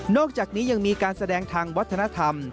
อกจากนี้ยังมีการแสดงทางวัฒนธรรม